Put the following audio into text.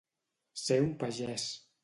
Ser un pagès.